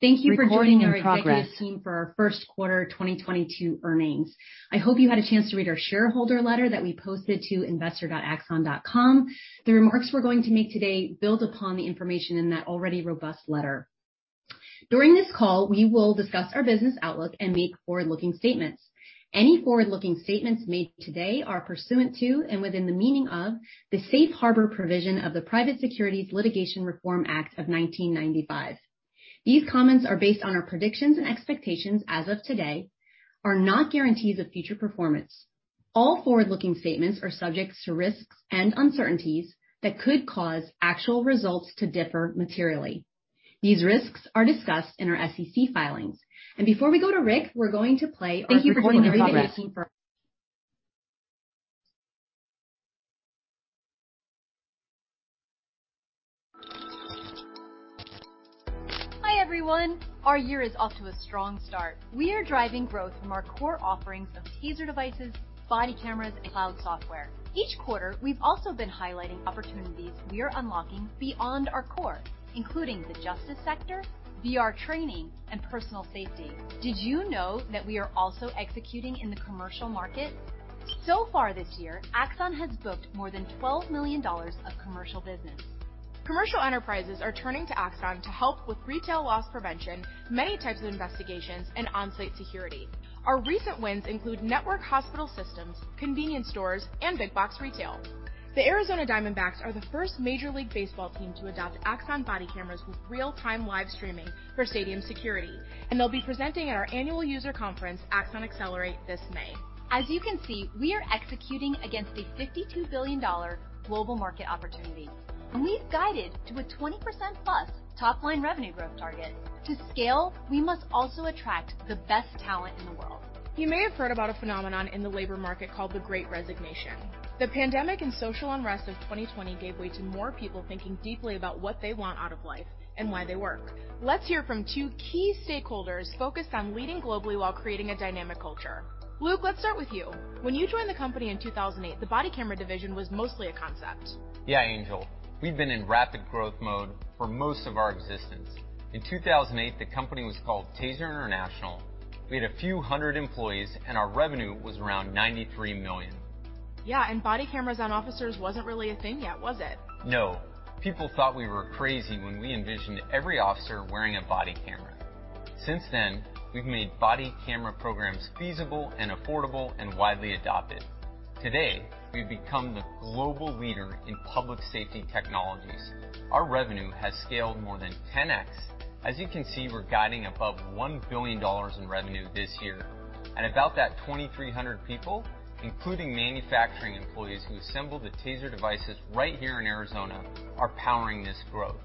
Thank you for joining our executive team for our first quarter 2022 earnings. I hope you had a chance to read our shareholder letter that we posted to investor.axon.com. The remarks we're going to make today build upon the information in that already robust letter. During this call, we will discuss our business outlook and make forward-looking statements. Any forward-looking statements made today are pursuant to and within the meaning of the Safe Harbor provision of the Private Securities Litigation Reform Act of 1995. These comments are based on our predictions and expectations as of today, are not guarantees of future performance. All forward-looking statements are subject to risks and uncertainties that could cause actual results to differ materially. These risks are discussed in our SEC filings. Before we go to Rick, we're going to play our recording. Hi, everyone. Our year is off to a strong start. We are driving growth from our core offerings of TASER devices, body cameras, and cloud software. Each quarter, we've also been highlighting opportunities we are unlocking beyond our core, including the justice sector, VR training, and personal safety. Did you know that we are also executing in the commercial market? So far this year, Axon has booked more than $12 million of commercial business. Commercial enterprises are turning to Axon to help with retail loss prevention, many types of investigations, and onsite security. Our recent wins include network hospital systems, convenience stores, and big box retail. The Arizona Diamondbacks are the first Major League Baseball team to adopt Axon body cameras with real-time live streaming for stadium security, and they'll be presenting at our annual user conference, Axon Accelerate, this May. As you can see, we are executing against a $52 billion global market opportunity, and we've guided to a 20%+ top-line revenue growth target. To scale, we must also attract the best talent in the world. You may have heard about a phenomenon in the labor market called the Great Resignation. The pandemic and social unrest of 2020 gave way to more people thinking deeply about what they want out of life and why they work. Let's hear from two key stakeholders focused on leading globally while creating a dynamic culture. Luke, let's start with you. When you joined the company in 2008, the body camera division was mostly a concept. Yeah, Angel. We've been in rapid growth mode for most of our existence. In 2008, the company was called TASER International. We had a few hundred employees, and our revenue was around $93 million. Yeah, body cameras on officers wasn't really a thing yet, was it? No. People thought we were crazy when we envisioned every officer wearing a body camera. Since then, we've made body camera programs feasible and affordable and widely adopted. Today, we've become the global leader in public safety technologies. Our revenue has scaled more than 10x. As you can see, we're guiding above $1 billion in revenue this year. About that 2,300 people, including manufacturing employees who assemble the TASER devices right here in Arizona, are powering this growth.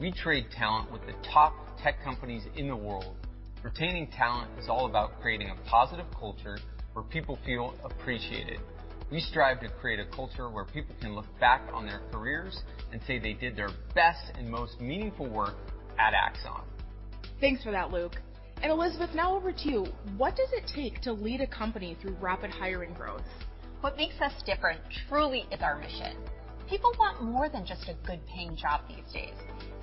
We trade talent with the top tech companies in the world. Retaining talent is all about creating a positive culture where people feel appreciated. We strive to create a culture where people can look back on their careers and say they did their best and most meaningful work at Axon. Thanks for that, Luke. Elizabeth, now over to you. What does it take to lead a company through rapid hiring growth? What makes us different truly is our mission. People want more than just a good paying job these days.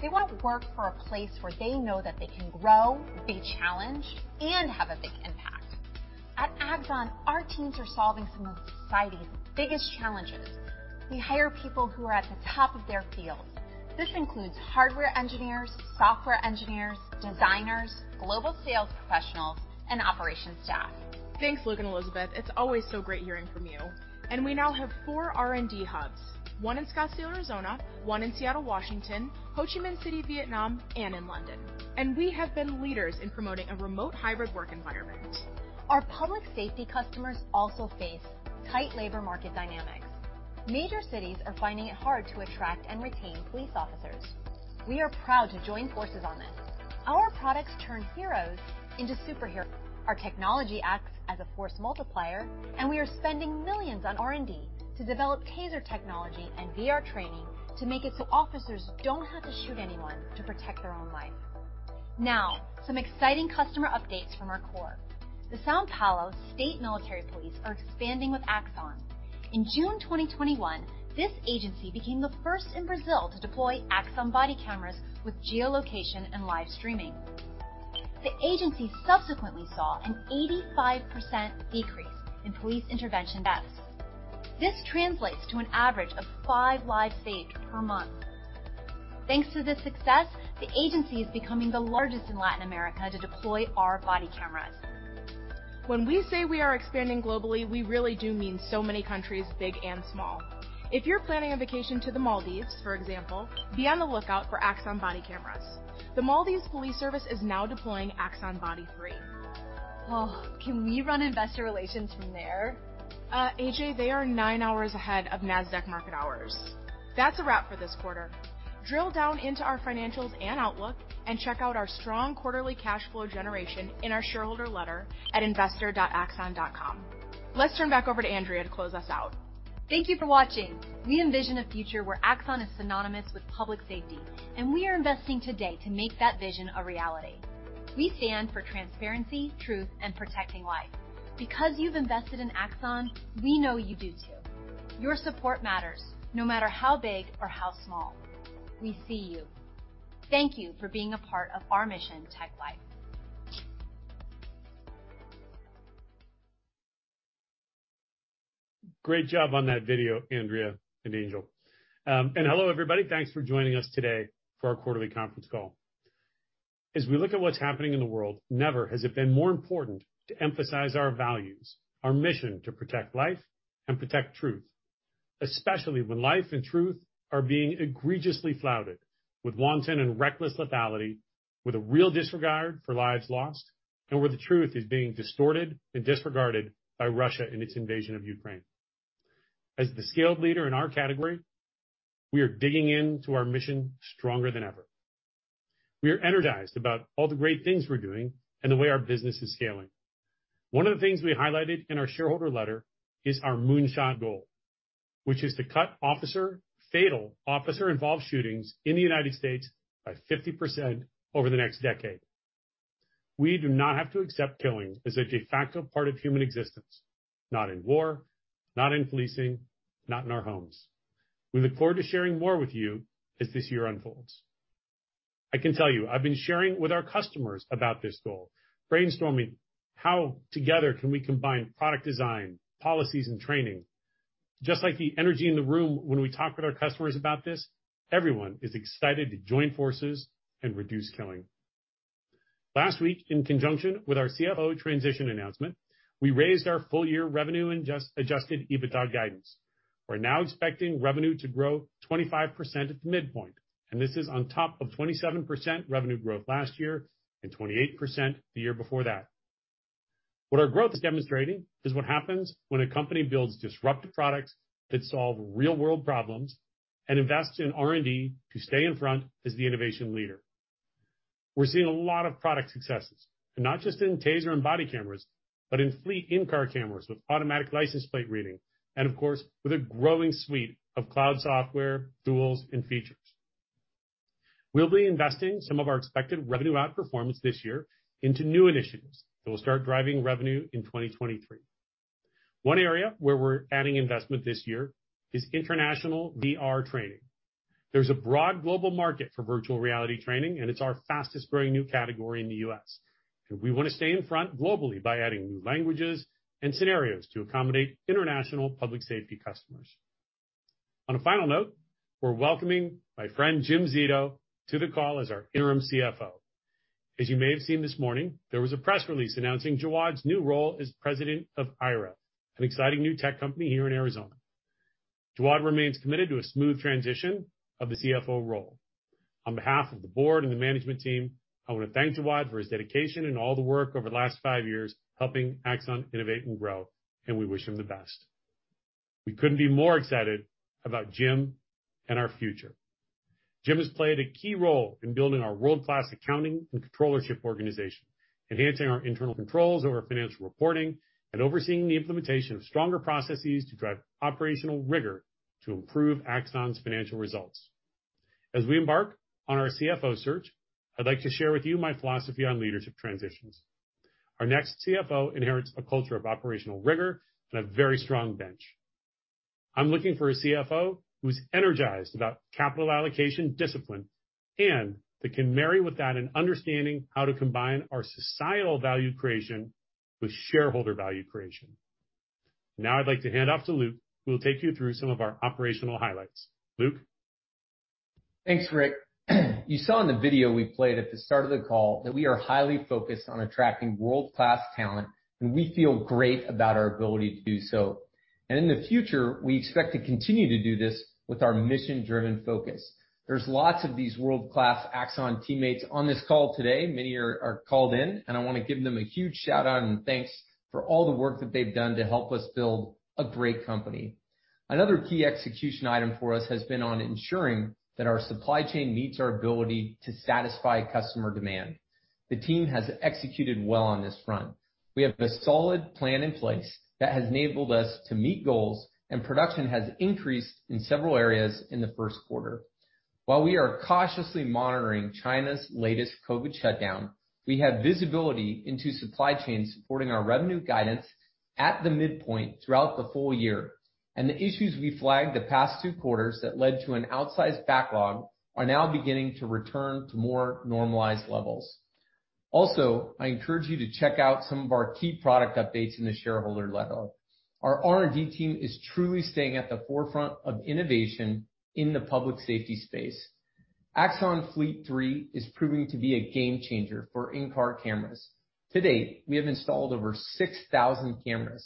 They wanna work for a place where they know that they can grow, be challenged, and have a big impact. At Axon, our teams are solving some of society's biggest challenges. We hire people who are at the top of their fields. This includes hardware engineers, software engineers, designers, global sales professionals, and operations staff. Thanks, Luke and Elizabeth. It's always so great hearing from you. We now have four R&D hubs, one in Scottsdale, Arizona, one in Seattle, Washington, Hồ Chí Minh City, Vietnam, and in London. We have been leaders in promoting a remote hybrid work environment. Our public safety customers also face tight labor market dynamics. Major cities are finding it hard to attract and retain police officers. We are proud to join forces on this. Our products turn heroes into superheroes. Our technology acts as a force multiplier, and we are spending $ millions on R&D to develop TASER technology and VR training to make it so officers don't have to shoot anyone to protect their own life. Now, some exciting customer updates from our core. The São Paulo State Military Police are expanding with Axon. In June 2021, this agency became the first in Brazil to deploy Axon body cameras with geolocation and live streaming. The agency subsequently saw an 85% decrease in police intervention deaths. This translates to an average of five lives saved per month. Thanks to this success, the agency is becoming the largest in Latin America to deploy our body cameras. When we say we are expanding globally, we really do mean so many countries, big and small. If you're planning a vacation to the Maldives, for example, be on the lookout for Axon body cameras. The Maldives Police Service is now deploying Axon Body 3. Oh, can we run investor relations from there? AJ, they are nine hours ahead of Nasdaq market hours. That's a wrap for this quarter. Drill down into our financials and outlook and check out our strong quarterly cash flow generation in our shareholder letter at investor.axon.com. Let's turn back over to Andrea to close us out. Thank you for watching. We envision a future where Axon is synonymous with public safety, and we are investing today to make that vision a reality. We stand for transparency, truth, and protecting life. Because you've invested in Axon, we know you do too. Your support matters, no matter how big or how small. We see you. Thank you for being a part of our mission Protect Life. Great job on that video, Andrea and Angel. Hello everybody. Thanks for joining us today for our quarterly conference call. As we look at what's happening in the world, never has it been more important to emphasize our values, our mission to protect life and protect truth, especially when life and truth are being egregiously flouted with wanton and reckless lethality, with a real disregard for lives lost, and where the truth is being distorted and disregarded by Russia in its invasion of Ukraine. As the scaled leader in our category, we are digging into our mission stronger than ever. We are energized about all the great things we're doing and the way our business is scaling. One of the things we highlighted in our shareholder letter is our moon shot goal, which is to cut officer. Fatal officer-involved shootings in the United States by 50% over the next decade. We do not have to accept killing as a de facto part of human existence, not in war, not in policing, not in our homes. We look forward to sharing more with you as this year unfolds. I can tell you, I've been sharing with our customers about this goal, brainstorming how together can we combine product design, policies, and training. Just like the energy in the room when we talk with our customers about this, everyone is excited to join forces and reduce killing. Last week, in conjunction with our CFO transition announcement, we raised our full-year revenue and adjusted EBITDA guidance. We're now expecting revenue to grow 25% at the midpoint, and this is on top of 27% revenue growth last year and 28% the year before that. What our growth is demonstrating is what happens when a company builds disruptive products that solve real-world problems and invest in R&D to stay in front as the innovation leader. We're seeing a lot of product successes, and not just in TASER and body cameras, but in fleet in-car cameras with automatic license plate reading, and of course, with a growing suite of cloud software, tools, and features. We'll be investing some of our expected revenue outperformance this year into new initiatives that will start driving revenue in 2023. One area where we're adding investment this year is international VR training. There's a broad global market for virtual reality training, and it's our fastest-growing new category in the U.S. We wanna stay in front globally by adding new languages and scenarios to accommodate international public safety customers. On a final note, we're welcoming my friend, Jim Zito, to the call as our Interim CFO. As you may have seen this morning, there was a press release announcing Jawad's new role as President of Aira, an exciting new tech company here in Arizona. Jawad remains committed to a smooth transition of the CFO role. On behalf of the Board and the management team, I wanna thank Jawad for his dedication and all the work over the last five years, helping Axon innovate and grow, and we wish him the best. We couldn't be more excited about Jim and our future. Jim has played a key role in building our world-class accounting and controllership organization, enhancing our internal controls over financial reporting and overseeing the implementation of stronger processes to drive operational rigor to improve Axon's financial results. As we embark on our CFO search, I'd like to share with you my philosophy on leadership transitions. Our next CFO inherits a culture of operational rigor and a very strong bench. I'm looking for a CFO who's energized about capital allocation discipline and that can marry with that an understanding how to combine our societal value creation with shareholder value creation. Now I'd like to hand off to Luke, who will take you through some of our operational highlights. Luke? Thanks, Rick. You saw in the video we played at the start of the call that we are highly focused on attracting world-class talent, and we feel great about our ability to do so. In the future, we expect to continue to do this with our mission-driven focus. There's lots of these world-class Axon teammates on this call today. Many are called in, and I wanna give them a huge shout-out and thanks for all the work that they've done to help us build a great company. Another key execution item for us has been on ensuring that our supply chain meets our ability to satisfy customer demand. The team has executed well on this front. We have a solid plan in place that has enabled us to meet goals, and production has increased in several areas in the first quarter. While we are cautiously monitoring China's latest COVID shutdown, we have visibility into supply chains supporting our revenue guidance at the midpoint throughout the full-year. The issues we flagged the past two quarters that led to an outsized backlog are now beginning to return to more normalized levels. Also, I encourage you to check out some of our key product updates in the shareholder letter. Our R&D team is truly staying at the forefront of innovation in the public safety space. Axon Fleet 3 is proving to be a game-changer for in-car cameras. To date, we have installed over 6,000 cameras.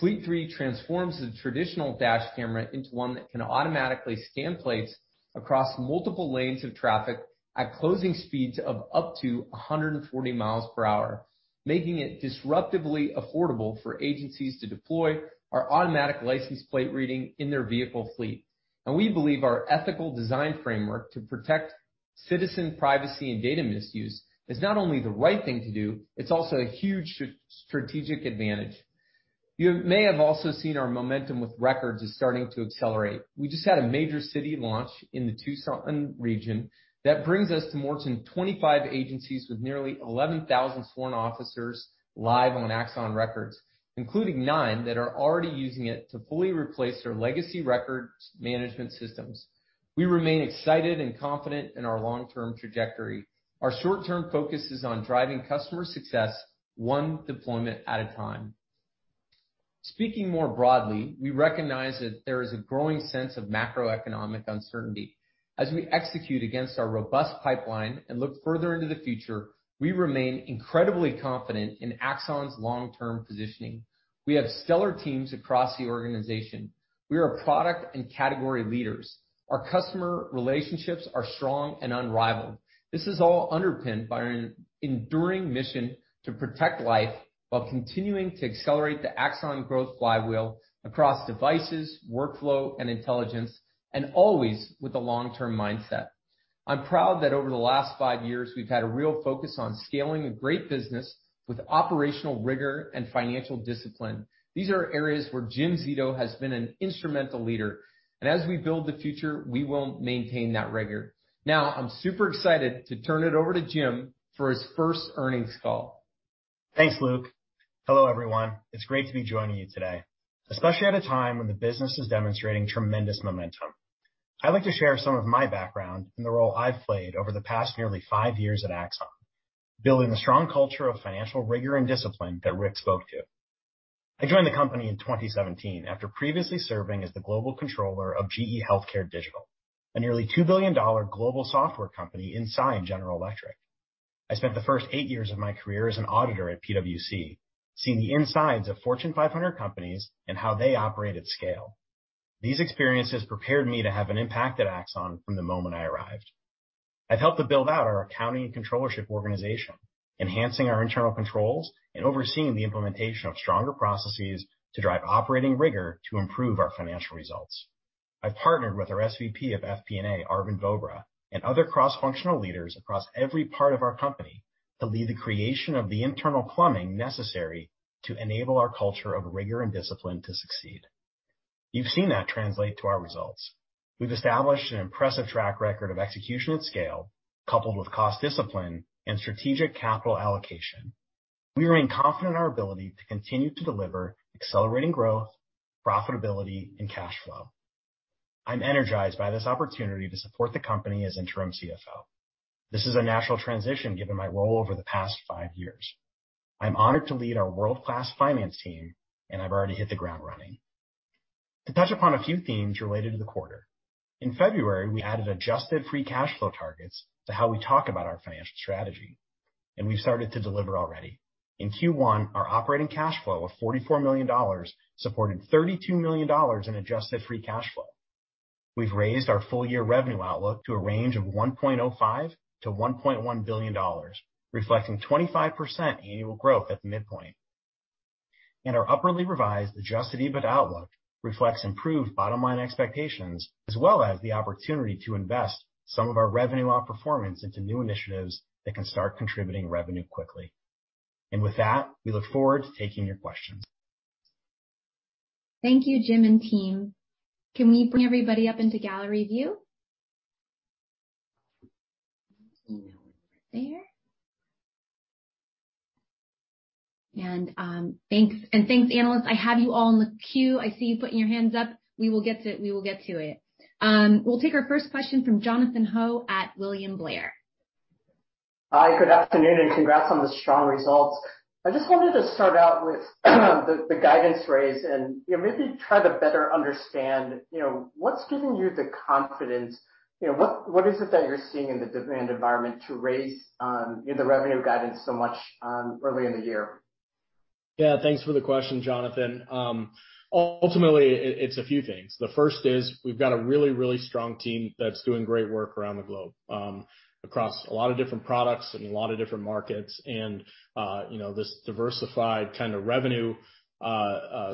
Fleet 3 transforms the traditional dash camera into one that can automatically scan plates across multiple lanes of traffic at closing speeds of up to 140 miles per hour, making it disruptively affordable for agencies to deploy our automatic license plate reading in their vehicle fleet. We believe our ethical design framework to protect citizen privacy and data misuse is not only the right thing to do, it's also a huge strategic advantage. You may have also seen our momentum with Records is starting to accelerate. We just had a major city launch in the Tucson region that brings us to more than 25 agencies with nearly 11,000 sworn officers live on Axon Records, including nine that are already using it to fully replace their legacy records management systems. We remain excited and confident in our long-term trajectory. Our short-term focus is on driving customer success one deployment at a time. Speaking more broadly, we recognize that there is a growing sense of macroeconomic uncertainty. As we execute against our robust pipeline and look further into the future, we remain incredibly confident in Axon's long-term positioning. We have stellar teams across the organization. We are product and category leaders. Our customer relationships are strong and unrivaled. This is all underpinned by an enduring mission to protect life while continuing to accelerate the Axon growth flywheel across devices, workflow, and intelligence, and always with a long-term mindset. I'm proud that over the last five years we've had a real focus on scaling a great business with operational rigor and financial discipline. These are areas where Jim Zito has been an instrumental leader, and as we build the future, we will maintain that rigor. Now, I'm super excited to turn it over to Jim for his first earnings call. Thanks, Luke. Hello, everyone. It's great to be joining you today, especially at a time when the business is demonstrating tremendous momentum. I'd like to share some of my background and the role I've played over the past nearly five years at Axon, building a strong culture of financial rigor and discipline that Rick spoke to. I joined the company in 2017 after previously serving as the Global Controller of GE Healthcare Digital, a nearly $2 billion global software company inside General Electric. I spent the first eight years of my career as an auditor at PwC, seeing the insides of Fortune 500 companies and how they operate at scale. These experiences prepared me to have an impact at Axon from the moment I arrived. I've helped to build out our accounting and controllership organization, enhancing our internal controls and overseeing the implementation of stronger processes to drive operating rigor to improve our financial results. I partnered with our SVP of FP&A, Arvind Bobra, and other cross-functional leaders across every part of our company to lead the creation of the internal plumbing necessary to enable our culture of rigor and discipline to succeed. You've seen that translate to our results. We've established an impressive track record of execution at scale, coupled with cost discipline and strategic capital allocation. We remain confident in our ability to continue to deliver accelerating growth, profitability, and cash flow. I'm energized by this opportunity to support the company as interim CFO. This is a natural transition given my role over the past five years. I'm honored to lead our world-class finance team, and I've already hit the ground running. To touch upon a few themes related to the quarter, in February, we added adjusted free cash flow targets to how we talk about our financial strategy, and we've started to deliver already. In Q1, our operating cash flow of $44 million supported $32 million in adjusted free cash flow. We've raised our full year revenue outlook to a range of $1.05-$1.1 billion, reflecting 25% annual growth at the midpoint. Our upwardly revised adjusted EBIT outlook reflects improved bottom line expectations, as well as the opportunity to invest some of our revenue outperformance into new initiatives that can start contributing revenue quickly. With that, we look forward to taking your questions. Thank you, Jim and team. Can we bring everybody up into gallery view? Just a moment there. Thanks. Thanks, analysts. I have you all in the queue. I see you putting your hands up. We will get to it. We'll take our first question from Jonathan Ho at William Blair. Hi, good afternoon, and congrats on the strong results. I just wanted to start out with the guidance raise and, you know, maybe try to better understand, you know, what's giving you the confidence? You know, what is it that you're seeing in the demand environment to raise the revenue guidance so much early in the year? Yeah, thanks for the question, Jonathan. Ultimately it's a few things. The first is we've got a really, really strong team that's doing great work around the globe across a lot of different products and a lot of different markets. You know, this diversified kinda revenue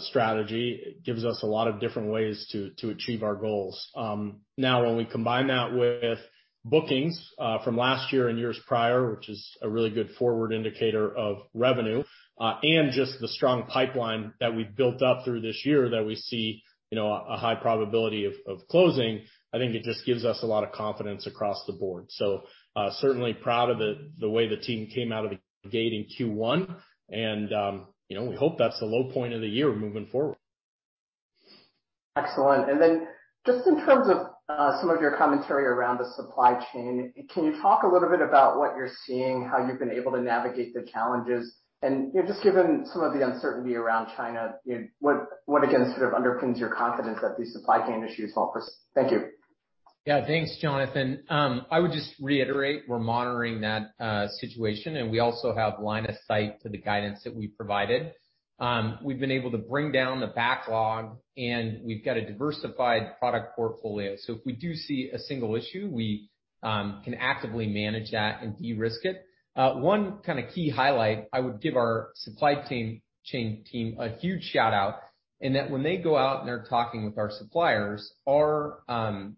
strategy gives us a lot of different ways to achieve our goals. Now, when we combine that with bookings from last year and years prior, which is a really good forward indicator of revenue, and just the strong pipeline that we've built up through this year that we see you know a high probability of closing, I think it just gives us a lot of confidence across the board. Certainly proud of the way the team came out of the gate in Q1, and you know, we hope that's the low point of the year moving forward. Excellent. Just in terms of some of your commentary around the supply chain, can you talk a little bit about what you're seeing? How you've been able to navigate the challenges? You know, just given some of the uncertainty around China, you know, what again sort of underpins your confidence that these supply chain issues will persist? Thank you. Yeah. Thanks, Jonathan. I would just reiterate we're monitoring that situation, and we also have line of sight to the guidance that we provided. We've been able to bring down the backlog, and we've got a diversified product portfolio. If we do see a single issue, we can actively manage that and de-risk it. One kinda key highlight I would give our supply chain team a huge shout-out. That when they go out and they're talking with our suppliers, our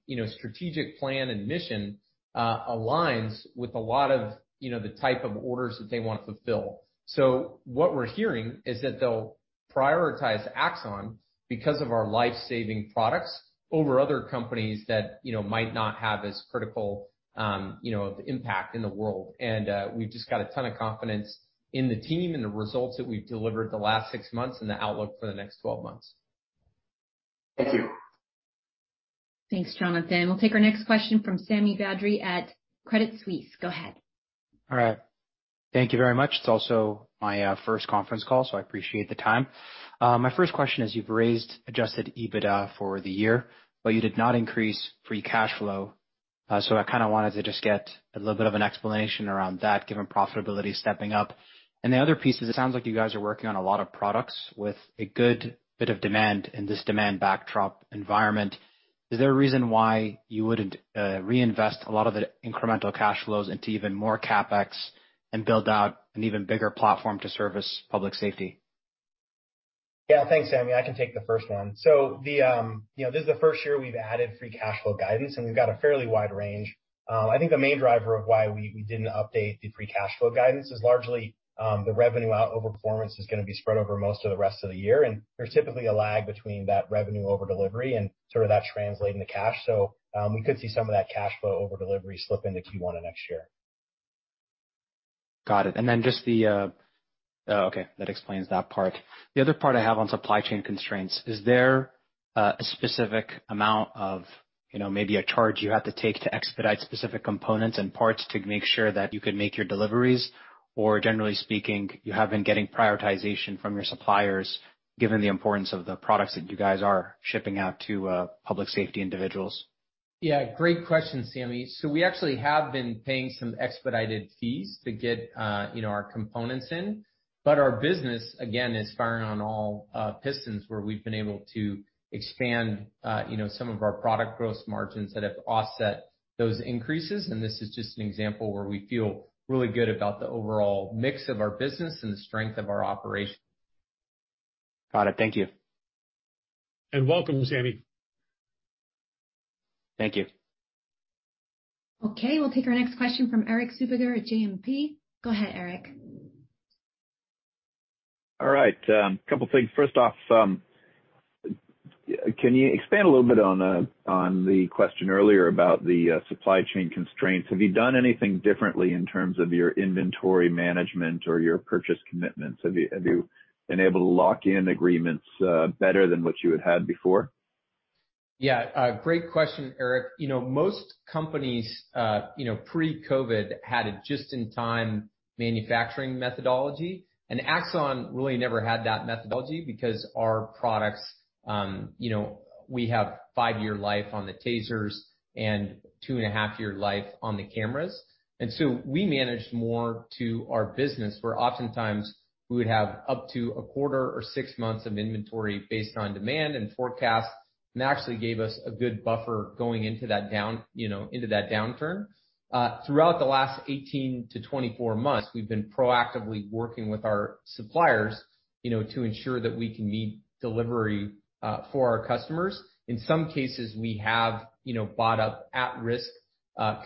you know strategic plan and mission aligns with a lot of you know the type of orders that they wanna fulfill. What we're hearing is that they'll prioritize Axon because of our life-saving products over other companies that you know might not have as critical impact in the world. We've just got a ton of confidence in the team and the results that we've delivered the last 6 months and the outlook for the next 12 months. Thank you. Thanks, Jonathan. We'll take our next question from Sami Badri at Credit Suisse. Go ahead. All right. Thank you very much. It's also my first conference call, so I appreciate the time. My first question is, you've raised adjusted EBITDA for the year, but you did not increase free cash flow. So I kinda wanted to just get a little bit of an explanation around that, given profitability stepping up. The other piece is, it sounds like you guys are working on a lot of products with a good bit of demand in this demand backdrop environment. Is there a reason why you wouldn't reinvest a lot of the incremental cash flows into even more CapEx and build out an even bigger platform to service public safety? Yeah. Thanks, Sami. I can take the first one. The you know this is the first year we've added free cash flow guidance, and we've got a fairly wide range. I think the main driver of why we didn't update the free cash flow guidance is largely the revenue outperformance is gonna be spread over most of the rest of the year, and there's typically a lag between that revenue overdelivery and sort of that translating to cash. We could see some of that cash flow overdelivery slip into Q1 of next year. Got it. Just the, Oh, okay, that explains that part. The other part I have on supply chain constraints, is there a specific amount of, you know, maybe a charge you have to take to expedite specific components and parts to make sure that you can make your deliveries? Or generally speaking, you have been getting prioritization from your suppliers, given the importance of the products that you guys are shipping out to public safety individuals. Yeah. Great question, Sami. We actually have been paying some expedited fees to get, you know, our components in, but our business, again, is firing on all pistons, where we've been able to expand, you know, some of our product gross margins that have offset those increases. This is just an example where we feel really good about the overall mix of our business and the strength of our operation. Got it. Thank you. Welcome, Sami. Thank you. Okay, we'll take our next question from Erik Suppiger at JMP. Go ahead, Erik. All right, couple things. First off, can you expand a little bit on the question earlier about the supply chain constraints? Have you done anything differently in terms of your inventory management or your purchase commitments? Have you been able to lock in agreements better than what you had had before? Yeah. Great question, Erik. You know, most companies, you know, pre-COVID had a just-in-time manufacturing methodology, and Axon really never had that methodology because our products, you know, we have five-year life on the TASERs and two and a half-year life on the cameras. We managed more to our business, where oftentimes we would have up to a quarter or six months of inventory based on demand and forecast, and actually gave us a good buffer going into that down, you know, into that downturn. Throughout the last 18-24 months, we've been proactively working with our suppliers, you know, to ensure that we can meet delivery for our customers. In some cases, we have, you know, bought up at-risk,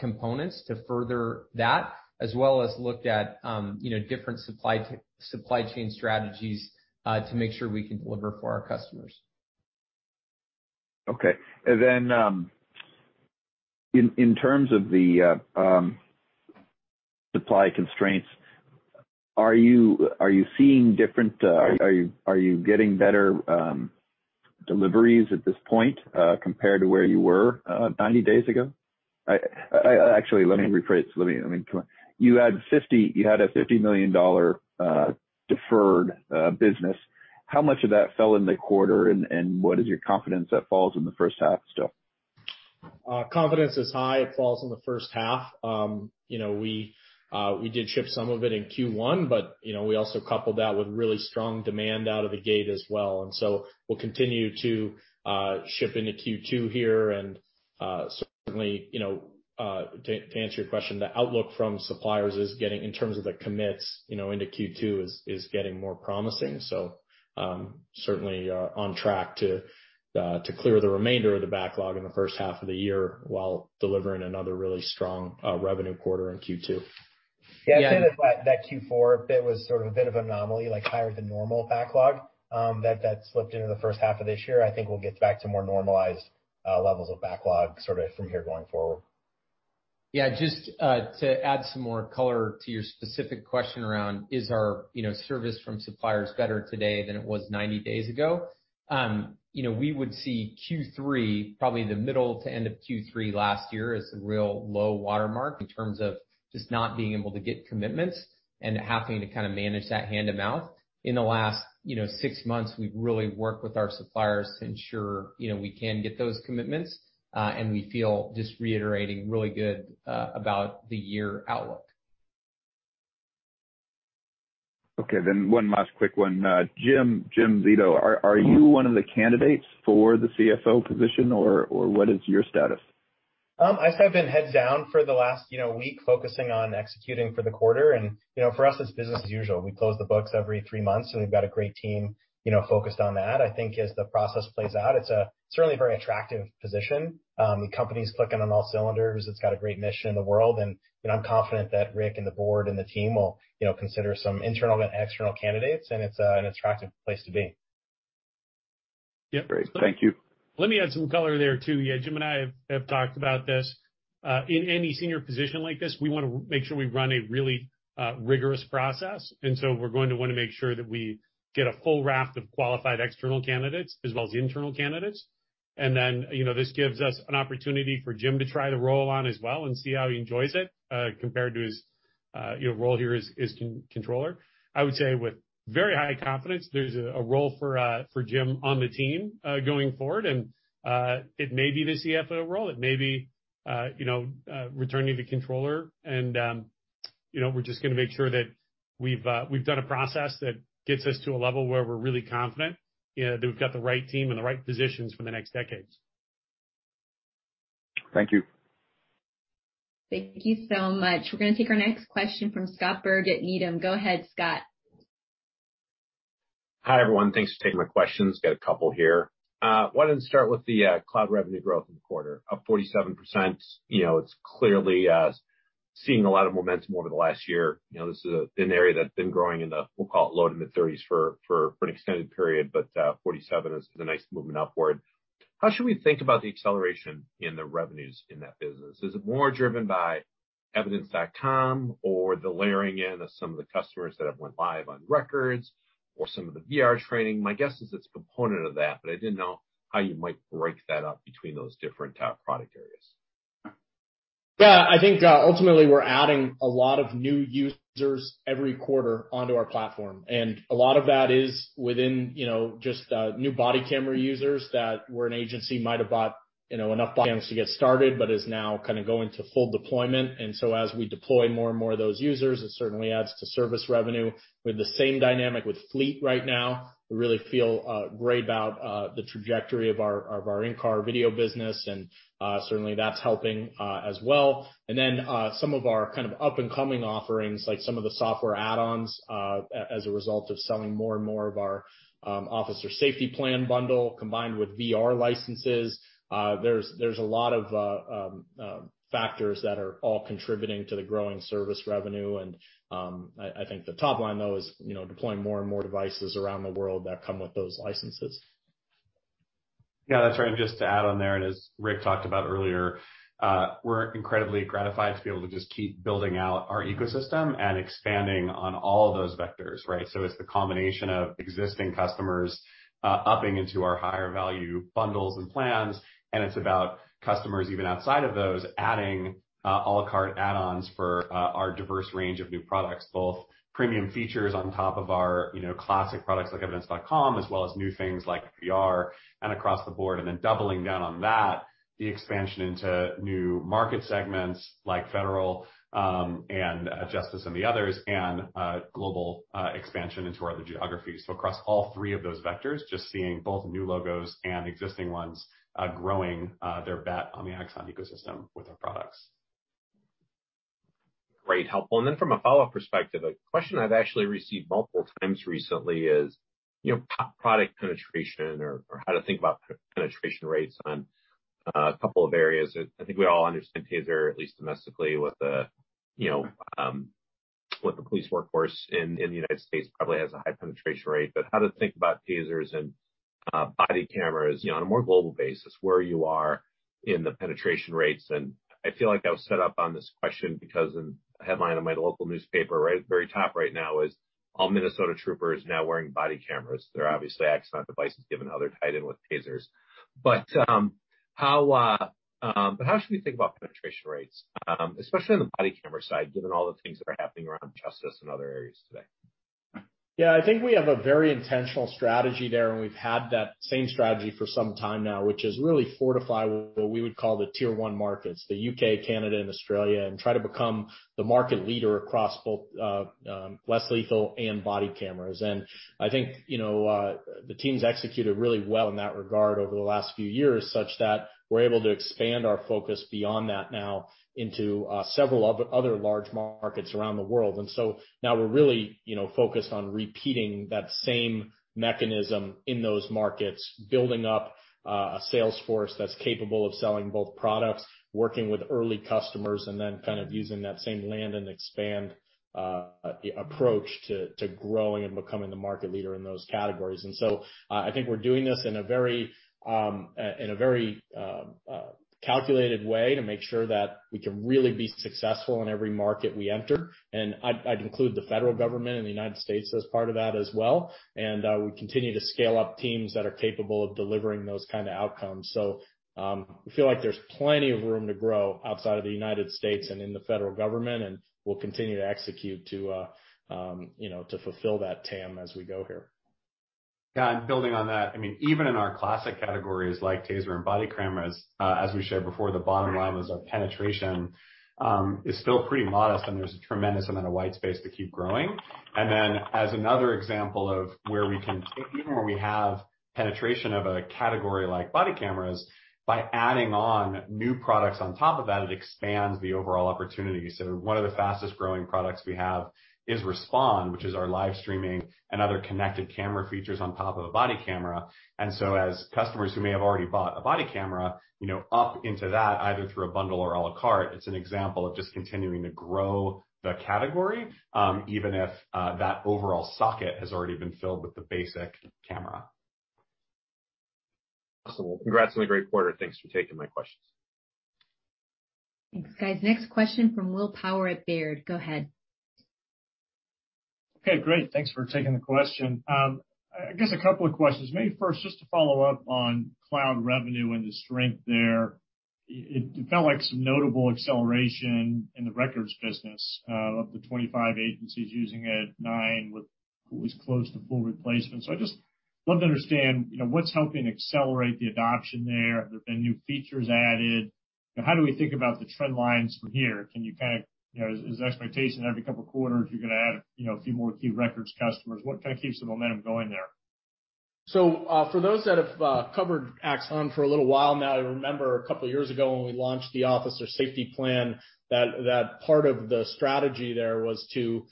components to further that, as well as looked at, you know, different supply chain strategies, to make sure we can deliver for our customers. Okay. In terms of the supply constraints, are you seeing different, are you getting better deliveries at this point compared to where you were 90 days ago? Actually, let me rephrase. You had a $50 million deferred business. How much of that fell in the quarter, and what is your confidence that falls in the first half still? Confidence is high it falls in the first half. You know, we did ship some of it in Q1, but, you know, we also coupled that with really strong demand out of the gate as well. Certainly, you know, to answer your question, the outlook from suppliers is getting, in terms of the commits, you know, into Q2, more promising. Certainly, on track to clear the remainder of the backlog in the first half of the year while delivering another really strong revenue quarter in Q2. Yeah. I'd say that Q4 bit was sort of a bit of anomaly, like higher than normal backlog, that slipped into the first half of this year. I think we'll get back to more normalized levels of backlog sorta from here going forward. Yeah. Just to add some more color to your specific question around, is our service from suppliers better today than it was 90 days ago? You know, we would see Q3, probably the middle to end of Q3 last year as the real low watermark in terms of just not being able to get commitments and having to kinda manage that hand to mouth. In the last 6 months, we've really worked with our suppliers to ensure we can get those commitments, and we feel just reiterating really good about the year outlook. Okay, one last quick one. Jim Zito, are you one of the candidates for the CFO position, or what is your status? I've sort of been heads down for the last, you know, week focusing on executing for the quarter. You know, for us, it's business as usual. We close the books every three months, and we've got a great team, you know, focused on that. I think as the process plays out, it's a certainly very attractive position. The company's clicking on all cylinders. It's got a great mission in the world, and, you know, I'm confident that Rick and the board and the team will, you know, consider some internal and external candidates, and it's an attractive place to be. Yeah. Great. Thank you. Let me add some color there, too. Yeah, Jim and I have talked about this. In any senior position like this, we wanna make sure we run a really rigorous process. We're going to wanna make sure that we get a full raft of qualified external candidates as well as internal candidates. You know, this gives us an opportunity for Jim to try the role on as well and see how he enjoys it compared to his role here as controller. I would say with very high confidence, there's a role for Jim on the team going forward, and it may be the CFO role. It may be returning to controller. You know, we're just gonna make sure that we've done a process that gets us to a level where we're really confident, you know, that we've got the right team and the right positions for the next decades. Thank you. Thank you so much. We're gonna take our next question from Scott Berg at Needham. Go ahead, Scott. Hi, everyone. Thanks for taking my questions. Got a couple here. Why don't I start with the cloud revenue growth in the quarter, up 47%. You know, it's clearly seeing a lot of momentum over the last year. You know, this is an area that's been growing in the, we'll call it low- to mid-30s for an extended period, but 47% is a nice movement upward. How should we think about the acceleration in the revenues in that business? Is it more driven by Evidence.com or the layering in of some of the customers that have went live on records or some of the VR training? My guess is it's a component of that, but I didn't know how you might break that up between those different product areas. Yeah. I think ultimately, we're adding a lot of new users every quarter onto our platform, and a lot of that is within, you know, just new body camera users that where an agency might have bought, you know, enough bodies to get started but is now kind of going to full deployment. As we deploy more and more of those users, it certainly adds to service revenue. We have the same dynamic with fleet right now. We really feel great about the trajectory of our in-car video business, and certainly that's helping as well. Some of our kind of up and coming offerings, like some of the software add-ons, as a result of selling more and more of our Officer Safety Plan bundle combined with VR licenses. There's a lot of factors that are all contributing to the growing service revenue. I think the top line though is, you know, deploying more and more devices around the world that come with those licenses. Yeah, that's right. Just to add on there, and as Rick talked about earlier, we're incredibly gratified to be able to just keep building out our ecosystem and expanding on all of those vectors, right? It's the combination of existing customers, upping into our higher value bundles and plans, and it's about customers even outside of those adding, à la carte add-ons for, our diverse range of new products, both premium features on top of our, you know, classic products like Evidence.com, as well as new things like VR and across the board. Then doubling down on that, the expansion into new market segments like federal, and, justice and the others and, global, expansion into other geographies. Across all three of those vectors, just seeing both new logos and existing ones growing their bet on the Axon ecosystem with our products. Great, helpful. Then from a follow-up perspective, a question I've actually received multiple times recently is, you know, product penetration or how to think about penetration rates on a couple of areas. I think we all understand TASER, at least domestically, with the you know, with the police workforce in the United States probably has a high penetration rate. How to think about TASERs and body cameras, you know, on a more global basis, where you are in the penetration rates. I feel like I was set up on this question because in a headline in my local newspaper, right at the very top right now is all Minnesota troopers now wearing body cameras. They're obviously Axon devices given how they're tied in with TASERs. How should we think about penetration rates, especially on the body camera side, given all the things that are happening around justice and other areas today? Yeah. I think we have a very intentional strategy there, and we've had that same strategy for some time now, which is really fortify what we would call the tier one markets, the U.K., Canada, and Australia, and try to become the market leader across both less lethal and body cameras. I think you know the team's executed really well in that regard over the last few years, such that we're able to expand our focus beyond that now into several other large markets around the world. Now we're really you know focused on repeating that same mechanism in those markets, building up a sales force that's capable of selling both products, working with early customers, and then kind of using that same land and expand approach to growing and becoming the market leader in those categories. I think we're doing this in a very calculated way to make sure that we can really be successful in every market we enter. I'd include the federal government in the United States as part of that as well. We continue to scale up teams that are capable of delivering those kind of outcomes. We feel like there's plenty of room to grow outside of the United States and in the federal government, and we'll continue to execute to, you know, to fulfill that TAM as we go here. Yeah, building on that, I mean, even in our classic categories like TASER and body cameras, as we shared before, the bottom line was our penetration is still pretty modest, and there's a tremendous amount of white space to keep growing. As another example of where we have penetration of a category like body cameras, by adding on new products on top of that, it expands the overall opportunity. One of the fastest-growing products we have is Respond, which is our live streaming and other connected camera features on top of a body camera. As customers who may have already bought a body camera, you know, up into that, either through a bundle or a la carte, it's an example of just continuing to grow the category, even if that overall socket has already been filled with the basic camera. Awesome. Congrats on a great quarter, and thanks for taking my questions. Thanks, guys. Next question from Will Power at Baird. Go ahead. Okay, great. Thanks for taking the question. I guess a couple of questions. Maybe first, just to follow-up on cloud revenue and the strength there. It felt like some notable acceleration in the Records business. Of the 25 agencies using it, nine were at least close to full replacement. I just love to understand, you know, what's helping accelerate the adoption there. Have there been new features added? How do we think about the trend lines from here? Can you know, is the expectation every couple of quarters you're gonna add, you know, a few more key Records customers? What kind of keeps the momentum going there? For those that have covered Axon for a little while now, you'll remember a couple of years ago when we launched the Officer Safety Plan, that part of the strategy there was to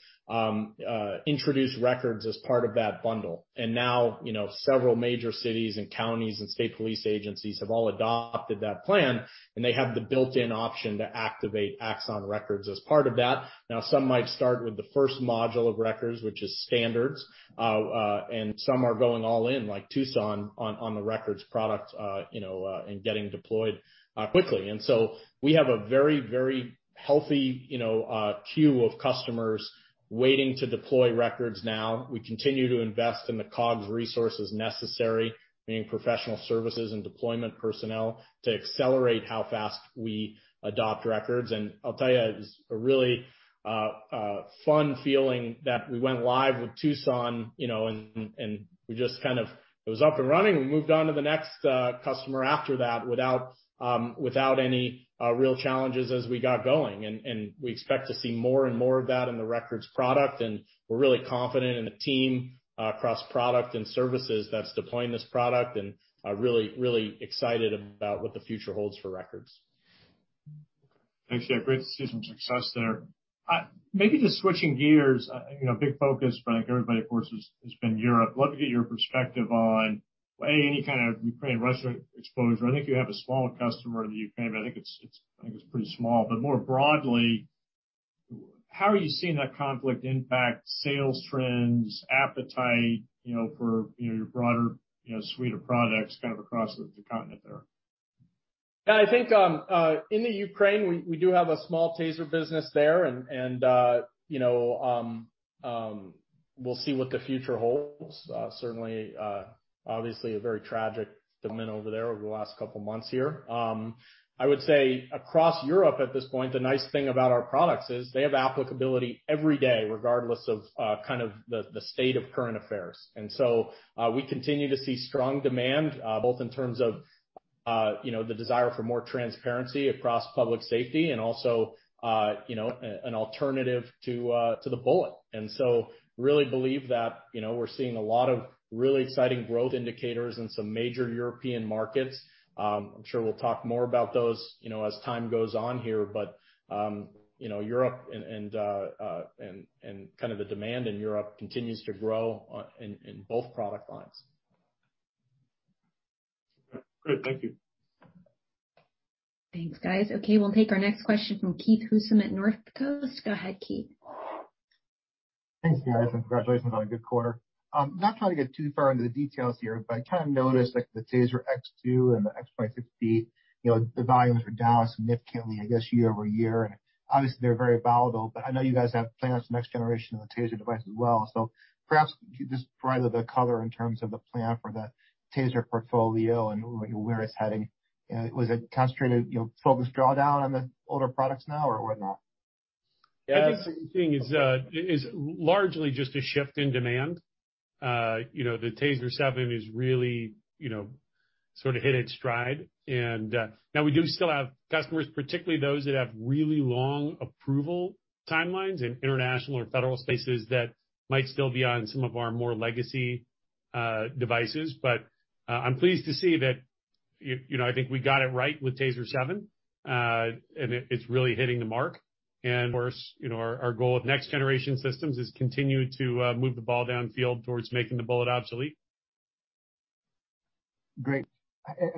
introduce Records as part of that bundle. Now, you know, several major cities and counties and state police agencies have all adopted that plan, and they have the built-in option to activate Axon Records as part of that. Now, some might start with the first module of Records, which is standards. Some are going all in, like Tucson, on the Records product, you know, and getting deployed quickly. We have a very, very healthy, you know, queue of customers waiting to deploy Records now. We continue to invest in the COGS resources necessary, meaning professional services and deployment personnel, to accelerate how fast we adopt Records. I'll tell you, it's a really fun feeling that we went live with Tucson, you know, and we just kind of, it was up and running. We moved on to the next customer after that without any real challenges as we got going. We expect to see more and more of that in the Records product, and we're really confident in the team across product and services that's deploying this product, and really excited about what the future holds for Records. Thanks, yeah. Great to see some success there. Maybe just switching gears. You know, a big focus for, I think, everybody, of course, has been Europe. Love to get your perspective on, A, any kind of Ukraine-Russia exposure. I think you have a small customer in the Ukraine, but I think it's pretty small. But more broadly, how are you seeing that conflict impact sales trends, appetite, you know, for, you know, your broader, you know, suite of products kind of across the continent there? Yeah, I think in the Ukraine, we do have a small TASER business there and you know, we'll see what the future holds. Certainly, obviously a very tragic event over there over the last couple of months here. I would say across Europe at this point, the nice thing about our products is they have applicability every day, regardless of kind of the state of current affairs. We continue to see strong demand both in terms of you know, the desire for more transparency across public safety and also you know, an alternative to the bullet. I really believe that you know, we're seeing a lot of really exciting growth indicators in some major European markets. I'm sure we'll talk more about those, you know, as time goes on here. You know, Europe and kind of the demand in Europe continues to grow in both product lines. Great. Thank you. Thanks, guys. Okay, we'll take our next question from Keith Housum at Northcoast Research. Go ahead, Keith. Thanks, guys, and congratulations on a good quarter. Not trying to get too far into the details here, but I kind of noticed, like, the TASER X2 and the X26P, you know, the volumes are down significantly, I guess, year-over-year. Obviously they're very volatile, but I know you guys have plans for the next generation of the TASER device as well. Perhaps could you just provide a bit of color in terms of the plan for the TASER portfolio and where it's heading? Was it concentrated, you know, focused drawdown on the older products now or whatnot? Yeah. I think what you're seeing is largely just a shift in demand. You know, the TASER 7 is really, you know, sort of hit its stride. Now we do still have customers, particularly those that have really long approval timelines in international or federal spaces that might still be on some of our more legacy devices. I'm pleased to see that you know I think we got it right with TASER 7, and it's really hitting the mark. Of course, you know, our goal with next generation systems is continue to move the ball downfield towards making the bullet obsolete. Great.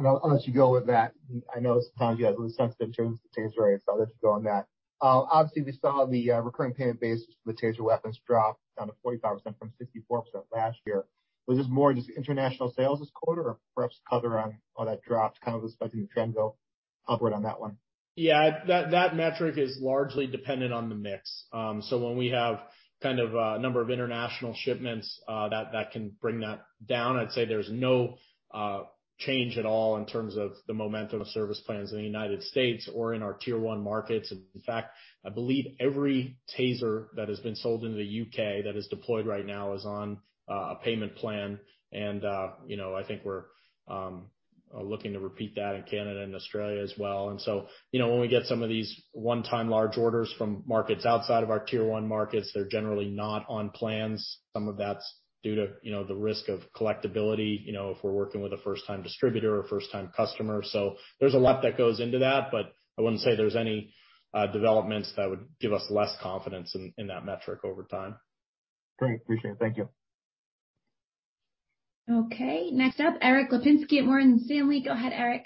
I'll let you go with that. I know sometimes you guys are a little sensitive in terms of the TASER, so I'll let you go on that. Obviously we saw the recurring payment base for the TASER weapons drop down to 45% from 64% last year. Was this more just international sales this quarter or perhaps color on how that dropped, kind of expecting the trend to go upward on that one? Yeah, that metric is largely dependent on the mix. When we have kind of a number of international shipments, that can bring that down. I'd say there's no change at all in terms of the momentum of service plans in the United States or in our Tier 1 markets. In fact, I believe every TASER that has been sold in the U.K. that is deployed right now is on a payment plan. You know, I think we're looking to repeat that in Canada and Australia as well. You know, when we get some of these one-time large orders from markets outside of our tier one markets, they're generally not on plans. Some of that's due to the risk of collectibility if we're working with a first-time distributor or first-time customer. There's a lot that goes into that. I wouldn't say there's any developments that would give us less confidence in that metric over time. Great. Appreciate it. Thank you. Okay, next up, Erik Lapinski at Morgan Stanley. Go ahead, Eric.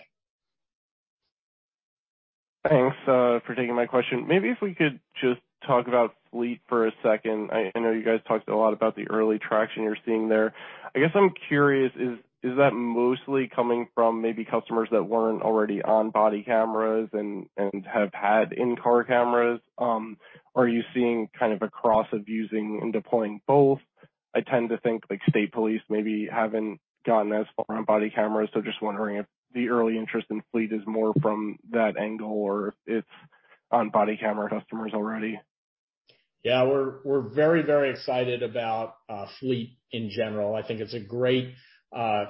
Thanks for taking my question. Maybe if we could just talk about Fleet for a second. I know you guys talked a lot about the early traction you're seeing there. I guess I'm curious, is that mostly coming from maybe customers that weren't already on body cameras and have had in-car cameras? Are you seeing kind of a cross of using and deploying both? I tend to think, like state police maybe haven't gotten as far on body cameras. Just wondering if the early interest in Fleet is more from that angle or if it's on body camera customers already. Yeah, we're very excited about Fleet in general. I think it's a great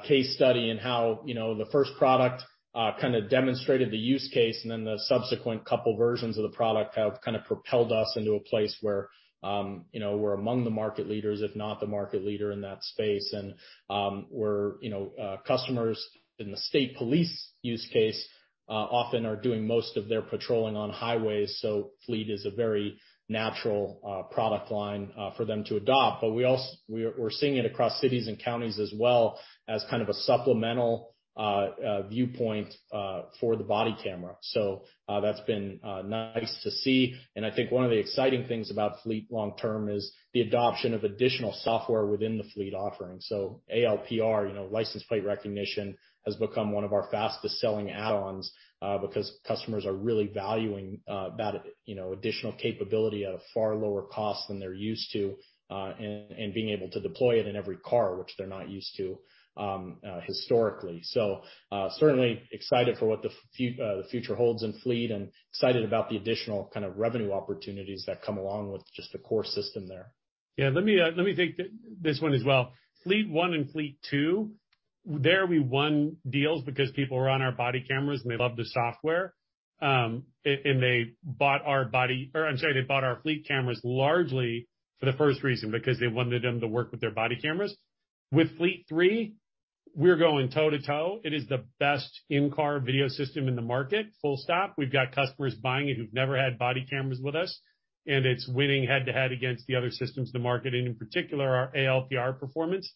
case study in how, you know, the first product kind of demonstrated the use case, and then the subsequent couple versions of the product have kind of propelled us into a place where, you know, we're among the market leaders, if not the market leader in that space. We're, you know, customers in the state police use case often are doing most of their patrolling on highways. Fleet is a very natural product line for them to adopt. We also we're seeing it across cities and counties as well as kind of a supplemental viewpoint for the body camera. That's been nice to see. I think one of the exciting things about Fleet long-term is the adoption of additional software within the Fleet offering. ALPR, you know, license plate recognition, has become one of our fastest selling add-ons, because customers are really valuing that, you know, additional capability at a far lower cost than they're used to, and being able to deploy it in every car, which they're not used to, historically. Certainly excited for what the future holds in Fleet and excited about the additional kind of revenue opportunities that come along with just the core system there. Yeah. Let me take this one as well. Fleet 1 and Fleet 2, there we won deals because people were on our body cameras, and they loved the software. They bought our fleet cameras largely for the first reason, because they wanted them to work with their body cameras. With Fleet 3, we're going toe-to-toe. It is the best in-car video system in the market, full stop. We've got customers buying it who've never had body cameras with us, and it's winning head-to-head against the other systems in the market and in particular, our ALPR performance.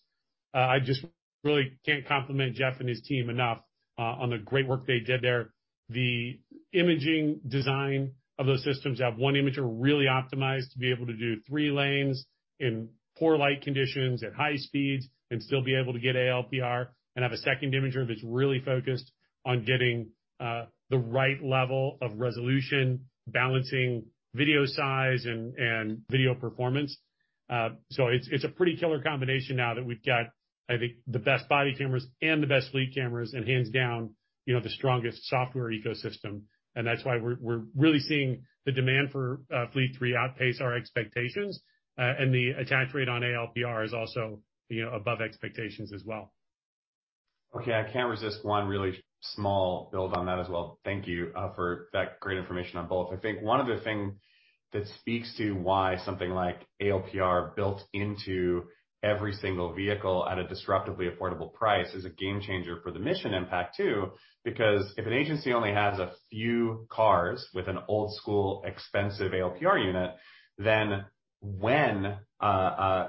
I just really can't compliment Jeff and his team enough on the great work they did there. The imaging design of those systems have one imager really optimized to be able to do three lanes in poor light conditions at high speeds and still be able to get ALPR and have a second imager that's really focused on getting the right level of resolution, balancing video size and video performance. So it's a pretty killer combination now that we've got, I think, the best body cameras and the best fleet cameras and hands down, you know, the strongest software ecosystem. That's why we're really seeing the demand for Fleet three outpace our expectations. The attach rate on ALPR is also, you know, above expectations as well. Okay, I can't resist one really small build on that as well. Thank you for that great information on both. I think one of the things that speaks to why something like ALPR built into every single vehicle at a disruptively affordable price is a game changer for the mission impact too. Because if an agency only has a few cars with an old school, expensive ALPR unit, then when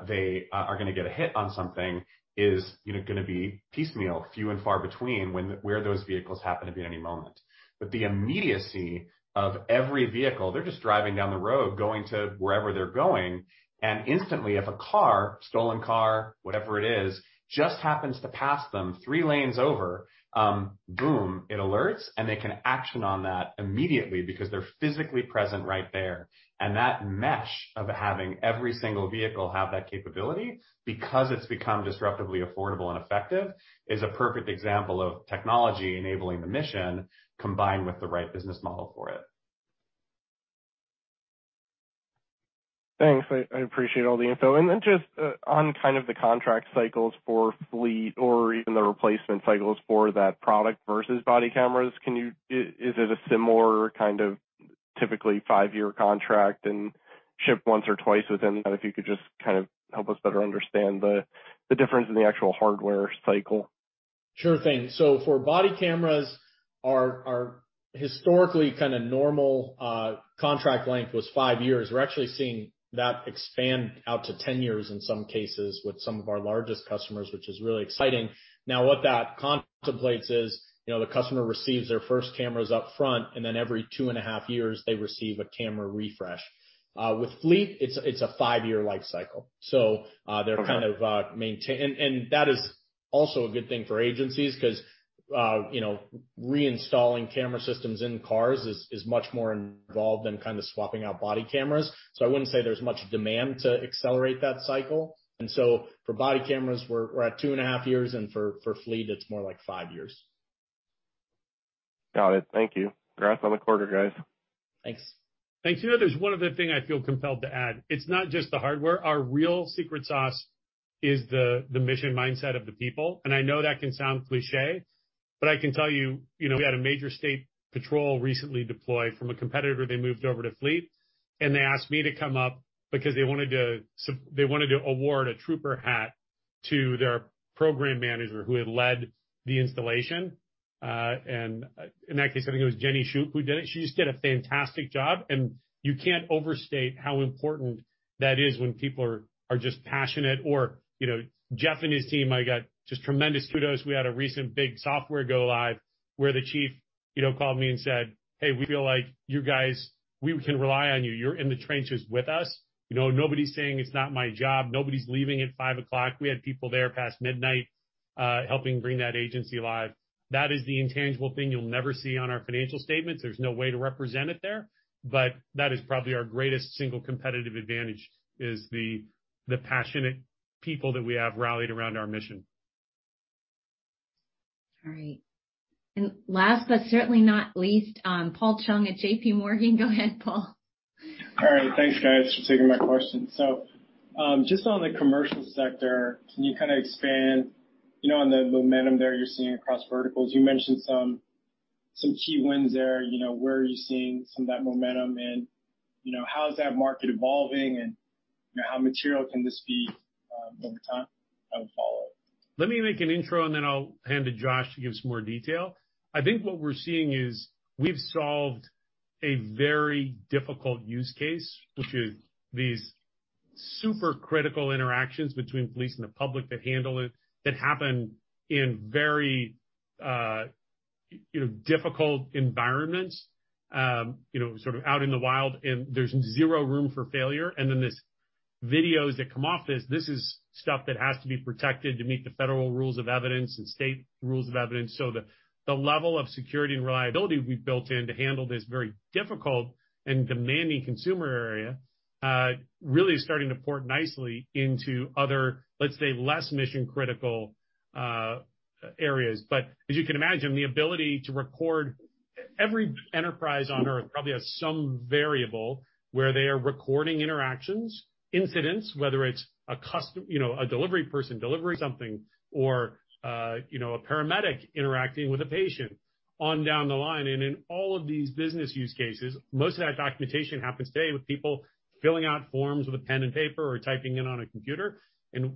they are gonna get a hit on something is, you know, gonna be piecemeal, few and far between, when where those vehicles happen to be in any moment. The immediacy of every vehicle, they're just driving down the road, going to wherever they're going, and instantly, if a car, stolen car, whatever it is, just happens to pass them three lanes over, boom, it alerts, and they can act on that immediately because they're physically present right there. That mesh of having every single vehicle have that capability, because it's become disruptively affordable and effective, is a perfect example of technology enabling the mission combined with the right business model for it. Thanks. I appreciate all the info. Then just on kind of the contract cycles for Fleet or even the replacement cycles for that product versus body cameras, can you—is it a similar kind of typically five-year contract and ship once or twice within that? If you could just kind of help us better understand the difference in the actual hardware cycle. Sure thing. For body cameras, our historically kind of normal contract length was five years. We're actually seeing that expand out to 10 years in some cases with some of our largest customers, which is really exciting. Now, what that contemplates is, you know, the customer receives their first cameras upfront, and then every 2.5 years, they receive a camera refresh. With Fleet, it's a 5-year life cycle. That is also a good thing for agencies 'cause, you know, reinstalling camera systems in cars is much more involved than kind of swapping out body cameras. I wouldn't say there's much demand to accelerate that cycle. For body cameras, we're attwo and a half years, and for Fleet, it's more like five years. Got it. Thank you. Congrats on the quarter, guys. Thanks. Thanks. You know, there's one other thing I feel compelled to add. It's not just the hardware. Our real secret sauce is the mission mindset of the people. I know that can sound cliché, but I can tell you know, we had a major state patrol recently deploy from a competitor, they moved over to Fleet, and they asked me to come up because they wanted to award a trooper hat to their program manager who had led the installation. In that case, I think it was Jenni Shook who did it. She just did a fantastic job, and you can't overstate how important that is when people are just passionate or, you know, Jeff and his team, I got just tremendous kudos. We had a recent big software go live where the chief, you know, called me and said, Hey, we feel like you guys, we can rely on you. You're in the trenches with us. You know, nobody's saying it's not my job. Nobody's leaving at 5:00 P.M. We had people there past midnight, helping bring that agency live. That is the intangible thing you'll never see on our financial statements. There's no way to represent it there, but that is probably our greatest single competitive advantage is the passionate people that we have rallied around our mission. All right. Last, but certainly not least, Paul Chung at JPMorgan. Go ahead, Paul. All right. Thanks, guys, for taking my question. Just on the commercial sector, can you kind of expand, you know, on the momentum there you're seeing across verticals? You mentioned some key wins there. You know, where are you seeing some of that momentum and, you know, how is that market evolving and, you know, how material can this be, over time? I have a follow-up. Let me make an intro, and then I'll hand to Josh to give some more detail. I think what we're seeing is we've solved a very difficult use case, which is these super critical interactions between police and the public that happen in very, you know, difficult environments, you know, sort of out in the wild, and there's zero room for failure. This videos that come off this is stuff that has to be protected to meet the federal rules of evidence and state rules of evidence. The level of security and reliability we've built in to handle this very difficult and demanding consumer area, really is starting to port nicely into other, let's say, less mission-critical, areas. As you can imagine, the ability to record every enterprise on Earth probably has some variable where they are recording interactions, incidents, whether it's you know, a delivery person delivering something or, you know, a paramedic interacting with a patient on down the line. In all of these business use cases, most of that documentation happens today with people filling out forms with a pen and paper or typing in on a computer.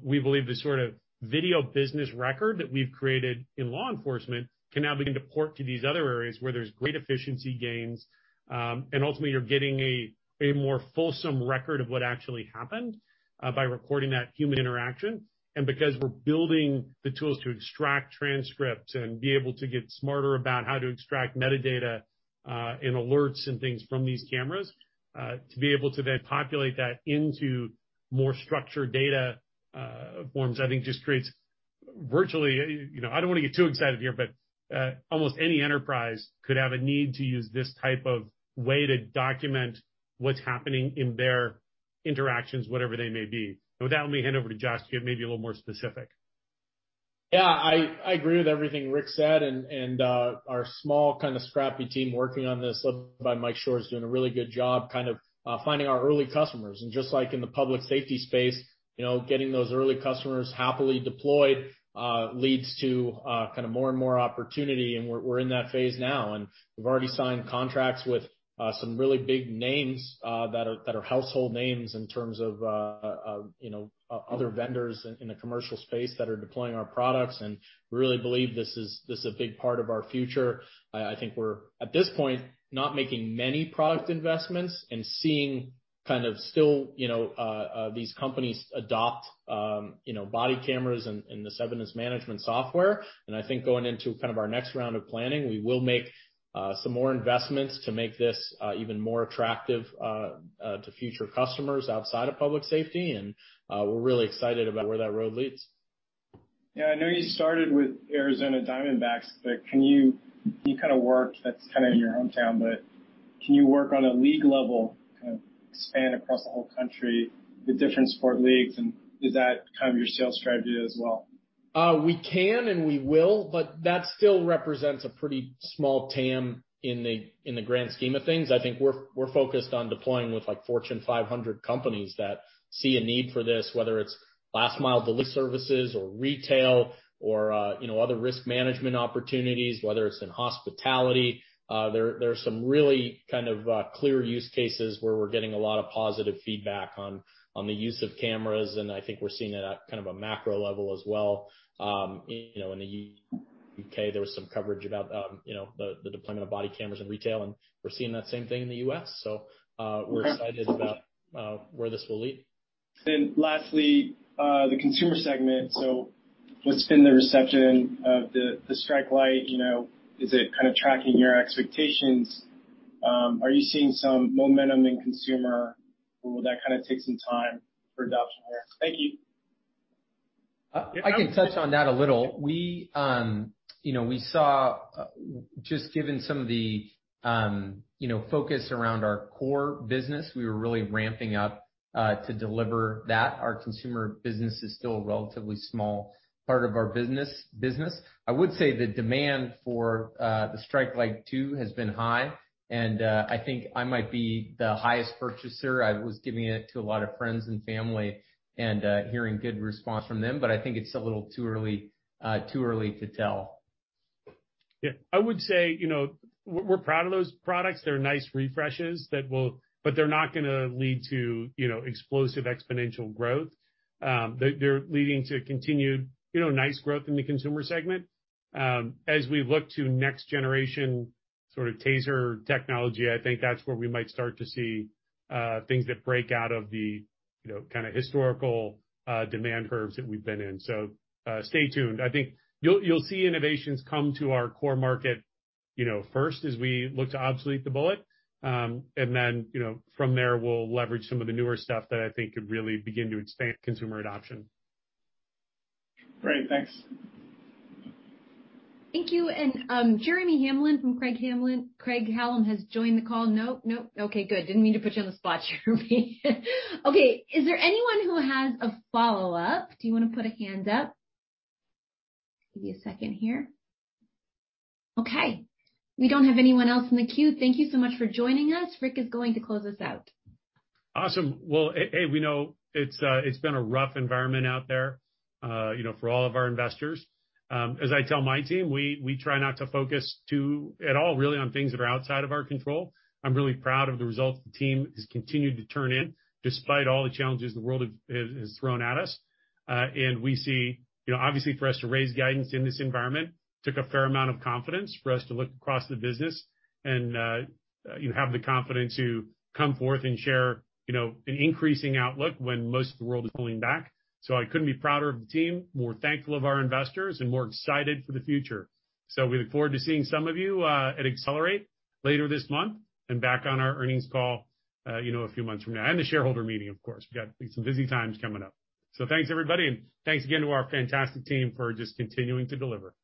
We believe the sort of video business record that we've created in law enforcement can now begin to port to these other areas where there's great efficiency gains, and ultimately, you're getting a more fulsome record of what actually happened by recording that human interaction. Because we're building the tools to extract transcripts and be able to get smarter about how to extract metadata, and alerts and things from these cameras, to be able to then populate that into more structured data forms, I think just creates virtually, you know, I don't wanna get too excited here, but, almost any enterprise could have a need to use this type of way to document what's happening in their interactions, whatever they may be. With that, let me hand over to Josh to get maybe a little more specific. Yeah, I agree with everything Rick said and our small kind of scrappy team working on this, led by Mike Shore, is doing a really good job kind of finding our early customers. Just like in the public safety space, you know, getting those early customers happily deployed leads to kind of more and more opportunity, and we're in that phase now. We've already signed contracts with some really big names that are household names in terms of you know other vendors in the commercial space that are deploying our products, and we really believe this is a big part of our future. I think we're at this point not making many product investments and seeing kind of still, you know, these companies adopt, you know, body cameras and this evidence management software. I think going into kind of our next round of planning, we will make some more investments to make this even more attractive to future customers outside of public safety. We're really excited about where that road leads. Yeah, I know you started with Arizona Diamondbacks, but can you kind of work that's kind of in your hometown, but can you work on a league level, kind of expand across the whole country with different sport leagues, and is that kind of your sales strategy as well? We can and we will, but that still represents a pretty small TAM in the grand scheme of things. I think we're focused on deploying with like Fortune 500 companies that see a need for this, whether it's last mile delivery services or retail or, you know, other risk management opportunities, whether it's in hospitality. There are some really kind of clear use cases where we're getting a lot of positive feedback on the use of cameras, and I think we're seeing it at kind of a macro level as well. You know, in the U.K., there was some coverage about, you know, the deployment of body cameras in retail, and we're seeing that same thing in the U.S. We're excited about where this will lead. Lastly, the Consumer segment. What's been the reception of the StrikeLight? You know, is it kind of tracking your expectations? Are you seeing some momentum in consumer, or will that kinda take some time for adoption there? Thank you. I can touch on that a little. We saw just given some of the focus around our core business, we were really ramping up to deliver that. Our Consumer business is still a relatively small part of our business. I would say the demand for the StrikeLight 2 has been high, and I think I might be the highest purchaser. I was giving it to a lot of friends and family and hearing good response from them. I think it's a little too early to tell. Yeah. I would say, you know, we're proud of those products. They're nice refreshes but they're not gonna lead to, you know, explosive exponential growth. They're leading to continued, you know, nice growth in the Consumer segment. As we look to next generation sort of TASER technology, I think that's where we might start to see things that break out of the, you know, kinda historical demand curves that we've been in. Stay tuned. I think you'll see innovations come to our core market, you know, first, as we look to obsolete the bullet. Then, you know, from there, we'll leverage some of the newer stuff that I think could really begin to expand consumer adoption. Great. Thanks. Thank you. Jeremy Hamblin from Craig-Hallum. Okay, good. Didn't mean to put you on the spot, Jeremy. Okay. Is there anyone who has a follow-up? Do you wanna put a hand up? Give you a second here. Okay. We don't have anyone else in the queue. Thank you so much for joining us. Rick is going to close us out. Awesome. Well, hey, we know it's been a rough environment out there, you know, for all of our investors. As I tell my team, we try not to focus too, at all really, on things that are outside of our control. I'm really proud of the results the team has continued to turn in despite all the challenges the world has thrown at us. You know, obviously for us to raise guidance in this environment took a fair amount of confidence for us to look across the business and have the confidence to come forth and share, you know, an increasing outlook when most of the world is pulling back. I couldn't be prouder of the team, more thankful of our investors, and more excited for the future. We look forward to seeing some of you at Accelerate later this month and back on our earnings call, you know, a few months from now, and the shareholder meeting, of course. We've got some busy times coming up. Thanks, everybody, and thanks again to our fantastic team for just continuing to deliver.